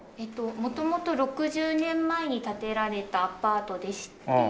元々６０年前に建てられたアパートでして。